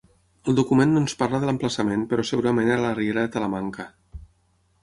Al document no ens parla de l'emplaçament però segurament era a la riera de Talamanca.